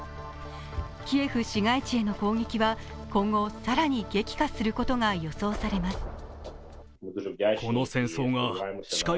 キエフ市街地への攻撃は今後、更に激化することが予想されます。